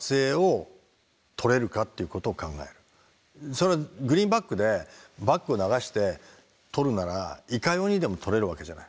それはグリーンバックでバックを流して撮るならいかようにでも撮れるわけじゃない。